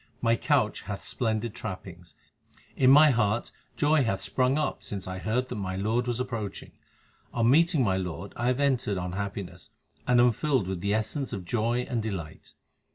My couch hath splendid trappings. In my heart joy hath sprung up since I heard that my Lord was approaching. On meeting my Lord I have entered on happiness and am filled with the essence of joy and delight.